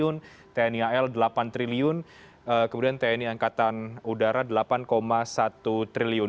alutsista tni ad tiga delapan triliun tni al delapan triliun kemudian tni angkatan udara delapan satu triliun